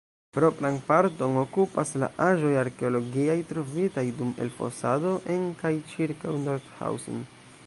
Propran parton okupas la aĵoj arkeologiaj, trovitaj dum elfosadoj en kaj ĉirkaŭ Nordhausen.